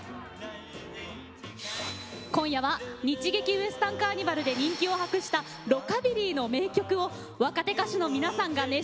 今夜は日劇ウエスタンカーニバルで人気を博したロカビリーの名曲を若手歌手の皆さんが熱唱！